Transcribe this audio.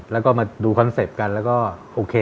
แล้วก็มาดูคอนเซ็ปต์กันแล้วก็โอเค